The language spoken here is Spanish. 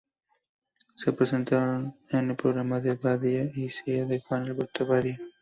Se presentaron en el programa "Badía y Cía" de Juan Alberto Badía.